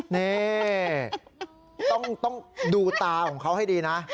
นี่ต้องดูตาของเขาให้ดีนะ